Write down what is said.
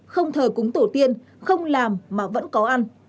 không thờ cúng tổ tiên không làm mà vẫn có ăn